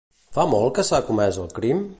Fa molt que s'ha comès el crim?